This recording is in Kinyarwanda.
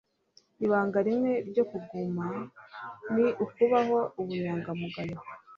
ibanga rimwe ryo kuguma ni ukubaho ubunyangamugayo